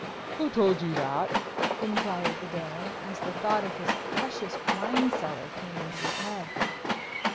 "Who told you that?" inquired the Baron, as the thought of his precious wine cellar came into his head.